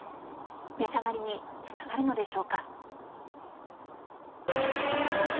値下がりにつながるのでしょうか。